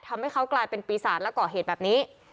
ทำให้เขากลายเป็นปีศาจและก่อเหตุแบบนี้